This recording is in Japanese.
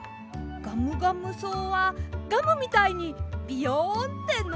ガムガムそうはガムみたいにビヨンってのびます。